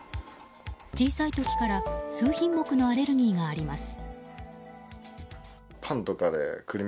小さい時から数品目のアレルギーがあります。